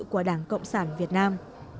của đảng cộng sản việt nam